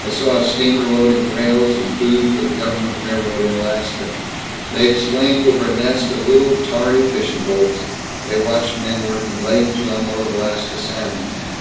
They saw a steamer loading rails and food for the government railroad in Alaska. They exclaimed over a nest of little, tarry fishing boats. They watched men working late to unload Alaska salmon.